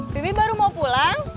bibi baru mau pulang